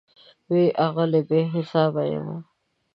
وی ویل آغلې , بي حساب یمه